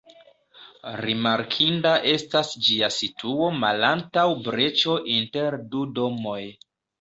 Rimarkinda estas ĝia situo malantaŭ breĉo inter du domoj.